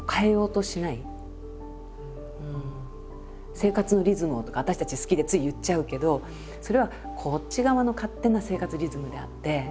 「生活のリズムを」とか私たち好きでつい言っちゃうけどそれはこっち側の勝手な生活リズムであって。